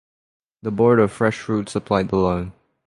The Board of First Fruits supplied the loan.